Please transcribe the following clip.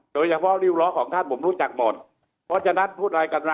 โดยเฉพาะริ้วล้อของท่านผมรู้จักหมดเพราะฉะนั้นพูดอะไรกันล่ะ